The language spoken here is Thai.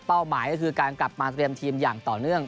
หมายก็คือการกลับมาเตรียมทีมอย่างต่อเนื่อง